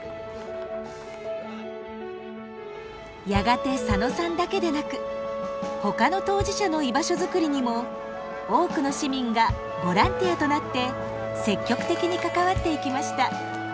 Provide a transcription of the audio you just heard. やがて佐野さんだけでなくほかの当事者の居場所づくりにも多くの市民がボランティアとなって積極的に関わっていきました。